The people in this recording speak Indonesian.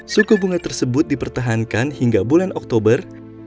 suku bunga tersebut dipertahankan hingga bulan oktober